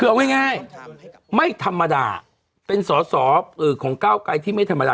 คือเอาง่ายไม่ธรรมดาเป็นสอสอของก้าวไกรที่ไม่ธรรมดา